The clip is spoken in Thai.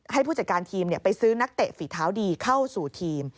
ให้ผู้จัดการทีมไปซื้อนักเตะฝีเท้าดีเข้าสู่ทีม